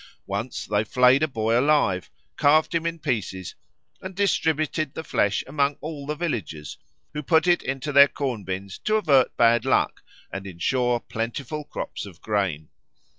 Once they flayed a boy alive, carved him in pieces, and distributed the flesh among all the villagers, who put it into their corn bins to avert bad luck and ensure plentiful crops of grain.